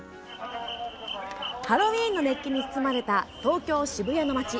ハロウィーンの熱気に包まれた東京・渋谷の町。